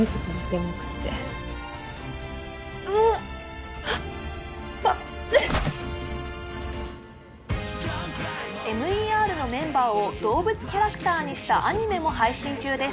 待ってＭＥＲのメンバーを動物キャラクターにしたアニメも配信中です